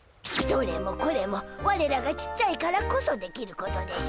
どれもこれもわれらがちっちゃいからこそできることでしゅ。